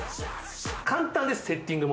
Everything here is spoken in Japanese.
簡単です、セッティングも。